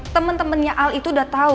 temen temennya al itu udah tahu